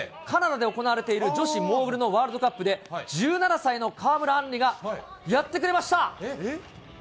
カナダで行われている女子モーグルのワールドカップで、１７歳の川村あんりが、やってくれました！